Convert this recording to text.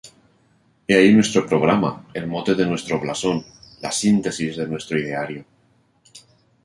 He ahí nuestro programa, el mote de nuestro blasón, la síntesis de nuestro ideario".